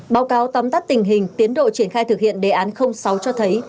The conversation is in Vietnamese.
báo cáo tóm tắt tình hình tiến độ triển khai thực hiện đề án sáu cho thấy